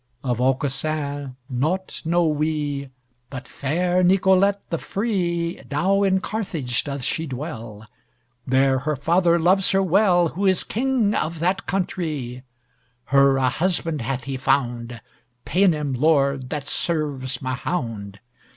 Of Aucassin naught know we, But fair Nicolette the free Now in Carthage doth she dwell; There her father loves her well, Who is king of that countrie. Her a husband hath he found, Paynim lord that serves Mahound!